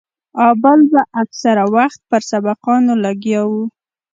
او بل به اکثره وخت پر سبقانو لګيا وو.